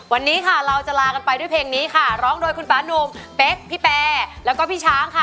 วันนี้ค่ะเราจะลากันไปด้วยเพลงนี้ค่ะร้องโดยคุณฟ้านุ่มเป๊กพี่แปรแล้วก็พี่ช้างค่ะ